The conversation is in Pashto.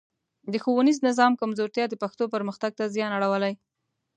د ښوونیز نظام کمزورتیا د پښتو پرمختګ ته زیان اړولی.